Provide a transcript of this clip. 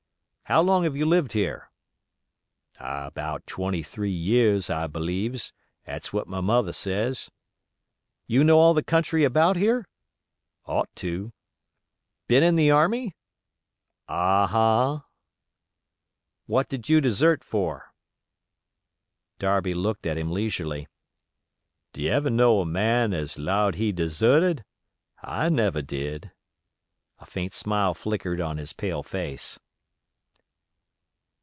"How long have you lived here?" "About twenty three years, I b'leeves; 'ats what my mother says." "You know all the country about here?" "Ought to." "Been in the army?" "Ahn—hahn." "What did you desert for?" Darby looked at him leisurely. "'D you ever know a man as 'lowed he'd deserted? I never did." A faint smile flickered on his pale face.